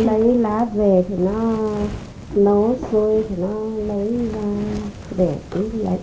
lấy lá về thì nó nấu sôi thì nó lấy ra để uống lạnh